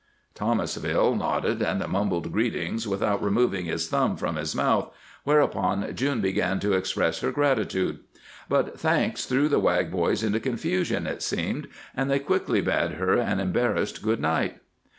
Thomasville nodded and mumbled greetings without removing his thumb from his mouth, whereupon June began to express her gratitude. But thanks threw the Wag boys into confusion, it seemed, and they quickly bade her an embarrassed good night.